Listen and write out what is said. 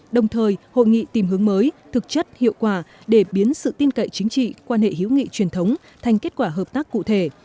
đồng thời hội nghị tìm hướng mới thực chất hiệu quả để biến sự tin cậy chính trị quan hệ hữu nghị truyền thống thành kết quả hợp tác cụ thể